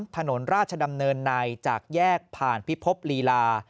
ถนนราชดำเนินในจากแยกผ่านพิภพลีลา